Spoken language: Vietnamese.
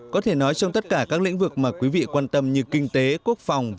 có thể nói trong tất cả các lĩnh vực mà quý vị quan tâm như kinh tế quốc phòng